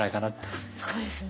そうですね。